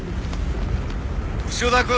潮田君！